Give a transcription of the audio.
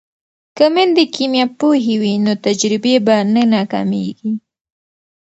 که میندې کیمیا پوهې وي نو تجربې به نه ناکامیږي.